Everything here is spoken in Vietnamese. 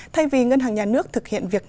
thay vì ngân hàng nhà nước thực hiện việc